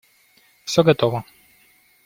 Все готово.